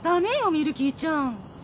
ミルキーちゃん。